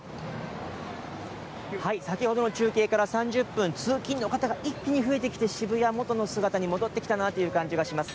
先ほどの中継から３０分、通勤の方が一気に増えてきて、渋谷はもとの姿に戻ってきたなという感じがします。